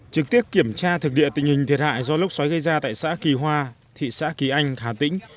trực tiếp kiểm tra thực địa tình hình thiệt hại do lốc xoáy gây ra tại xã kỳ hoa thị xã kỳ anh hà tĩnh